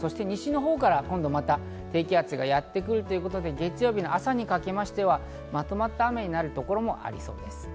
西のほうから今度また低気圧がやってくるということで月曜日の朝にかけてはまとまった雨になるところもありそうです。